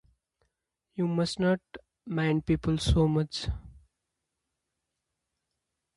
You mustn’t mind people so much.